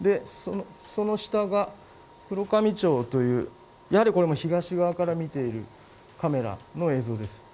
その下が黒神町というこれも東側から見ているカメラの映像です。